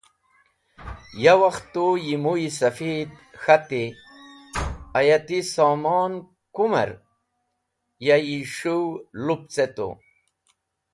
Ya wakhti tu yi muysafid, k̃hati: “Aya ti somon kumer, ya yi s̃hũw, lup ce tu?”